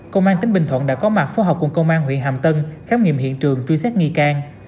công an tỉnh bình thuận đã có mặt phối hợp cùng công an huyện hàm tân khám nghiệm hiện trường truy xét nghi can